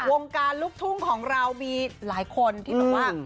วงการลูกทุ่งของเรามีหลายคนที่แบบว่า